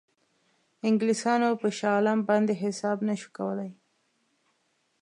انګلیسانو پر شاه عالم باندې حساب نه شو کولای.